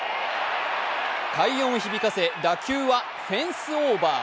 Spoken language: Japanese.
快音を響かせ打球はフェンスオーバー。